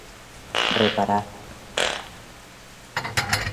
Reparar.